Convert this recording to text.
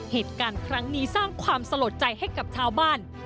เหตุการณ์ครั้งนี้สร้างความสลดใจให้กับชาวบ้าน